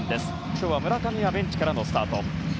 今日は村上はベンチからのスタート。